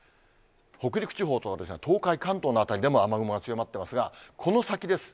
北陸地方、東海、関東の辺りでも雨雲が強まってますが、この先です。